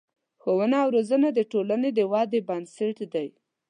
ښوونه او روزنه د ټولنې د ودې بنسټ دی.